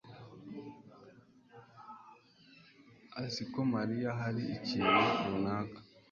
azi ko Mariya hari ikintu runaka.